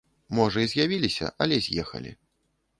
Можа, і з'явіліся, але з'ехалі.